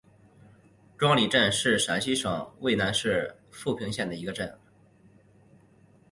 庄里镇是陕西省渭南市富平县的一个镇。